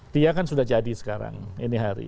dia kan sudah jadi sekarang ini hari